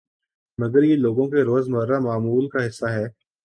مگر یہ لوگوں کے روزمرہ معمول کا حصہ ہے